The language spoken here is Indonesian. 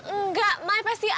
enggak mai pasti ada